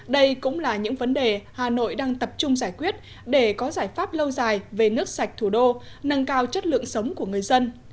đây cũng là những vấn đề hà nội đang tập trung giải quyết để có giải pháp lâu dài về nước sạch thủ đô nâng cao chất lượng sống của người dân